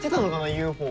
ＵＦＯ。